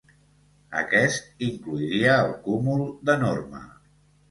Aquest inclouria el Cúmul de Norma.